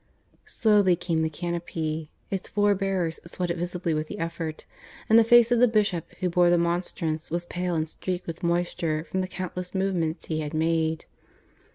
Slowly came the canopy. Its four bearers sweated visibly with the effort; and the face of the bishop who bore the monstrance was pale and streaked with moisture from the countless movements he had made.